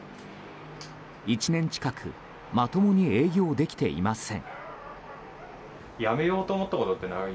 １年近くまともに営業できていません。